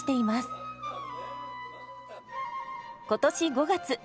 今年５月。